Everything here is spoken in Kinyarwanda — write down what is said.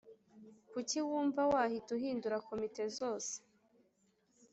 Kuki wumva wahita uhindura komite zose